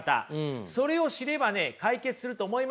それを知ればね解決すると思います。